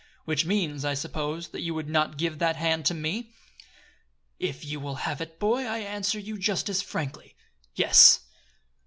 "Which means, I suppose, that you would not give that hand to me?" "If you will have it, boy, I answer you just as frankly, yes."